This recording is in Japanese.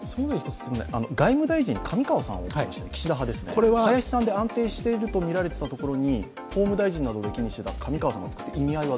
外務大臣、上川さんは岸田派ですね、林さんで安定しているとみられていたところに法務大臣などを歴任していた林さんをつけましたが、意味合いは？